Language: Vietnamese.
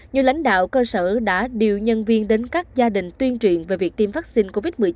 nhiều lãnh đạo cơ sở đã điều nhân viên đến các gia đình tuyên truyền về việc tiêm vaccine covid một mươi chín